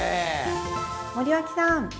森脇さん！